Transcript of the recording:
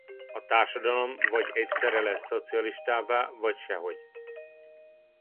A társadalom vagy egyszerre lesz szocialistává vagy sehogy.